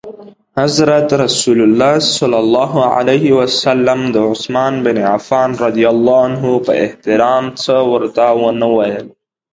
حضرت رسول ص د عثمان بن عفان په احترام څه ورته ونه ویل.